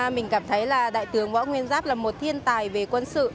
mình cảm thấy là đại tướng võ nguyên giáp là một thiên tài về quân sự